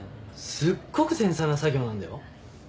すっごく繊細な作業なんだよ。